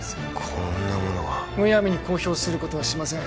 こんなものがむやみに公表することはしません